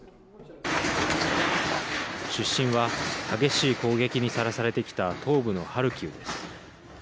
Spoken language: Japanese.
出身は激しい攻撃にさらされてきた東部のハルキウです。